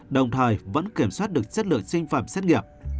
đồng thời vẫn kiểm soát được chất lượng sinh phẩm xét nghiệm